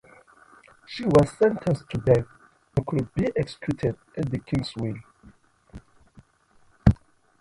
She was sentenced to death, and could be executed at the king's will.